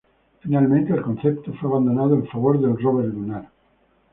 Finalmente el concepto fue abandonado en favor del rover lunar.